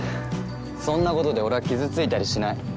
そんな事で俺は傷ついたりしない。